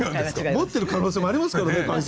持ってる可能性もありますからね櫂先生。